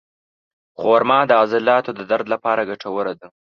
خرما د عضلاتو د درد لپاره ګټوره ده.